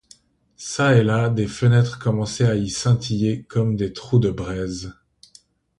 Çà et là des fenêtres commençaient à y scintiller comme des trous de braise.